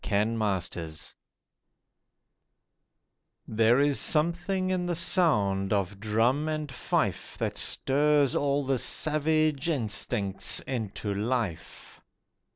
WAR MOTHERS There is something in the sound of drum and fife That stirs all the savage instincts into life.